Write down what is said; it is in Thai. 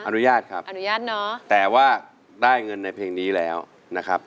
อนุญาตครับแต่ว่าได้เงินในเพลงนี้แล้วนะครับ